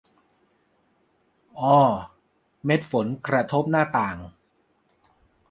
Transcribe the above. อ่อ เม็ดฝนกระทบหน้าต่าง